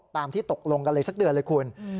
ตามที่ตกลงกันเลยสักเดือนเลยคุณ